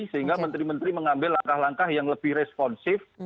sehingga menteri menteri mengambil langkah langkah yang lebih responsif